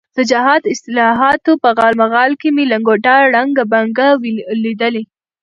د جهاد اصطلاحاتو په غالمغال کې مې لنګوټه ړنګه بنګه لیدلې.